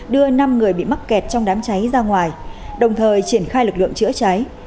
đưa năm người bị mắc kẹt trong đám cháy ra ngoài đồng thời triển khai lực lượng chữa cháy